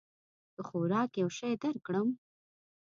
د خوراک یو شی درکړم؟